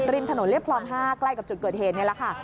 ริมถนนเลียบคลอม๕ใกล้กับจุดเกิดเหตุนี้ล่ะค่ะ